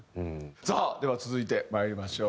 さあでは続いて参りましょう。